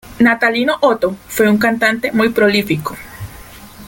Natalino Otto fue un cantante muy prolífico.